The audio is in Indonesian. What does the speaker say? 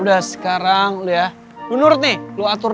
udah sekarang udah ya lu nurut nih lo atur nih